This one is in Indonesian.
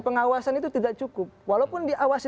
pengawasan itu tidak cukup walaupun diawasi